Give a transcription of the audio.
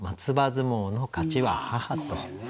相撲の勝ちは母」と。